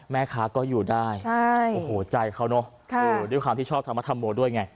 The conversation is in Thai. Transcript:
แม่ค้าก็อยู่ได้ใช่โอ้โหใจเขาเนอะค่ะโอ้โหด้วยความที่ชอบทำมาทมโมด้วยไง